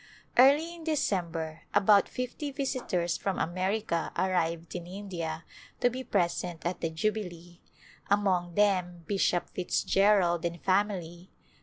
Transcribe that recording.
Early in December about fifty visitors from America arrived in India to be present at the Jubilee, among them Bishop Fitzgerald and family.